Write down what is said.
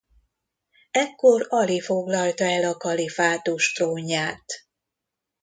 Ekkor Ali foglalta el a kalifátus trónját.